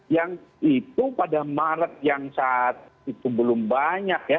yang itu pada maret yang saat itu belum banyak ya